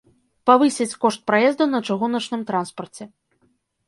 Павысяць кошт праезду на чыгуначным транспарце.